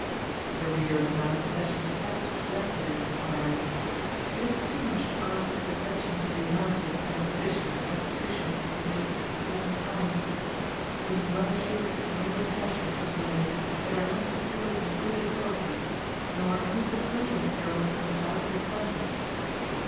The reader is now in possession of the facts which led to this inquiry. Is it too much to ask his attention to the analysis and exhibition of prostitution as it is at the present time, he being well assured that no assertions will be made that are not supported by good authority, nor any conclusions drawn from doubtful premises?